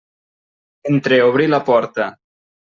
Entreobrí la porta.